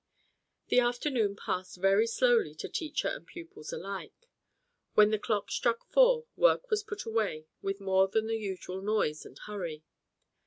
The afternoon passed Very slowly to teacher and pupils alike. When the clock struck four, work was put away with more than the usual noise and hurry.